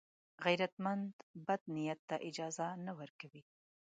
غیرتمند بد نیت ته اجازه نه ورکوي